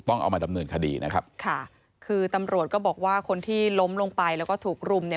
เอามาดำเนินคดีนะครับค่ะคือตำรวจก็บอกว่าคนที่ล้มลงไปแล้วก็ถูกรุมเนี่ย